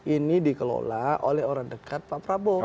ini dikelola oleh orang dekat pak prabowo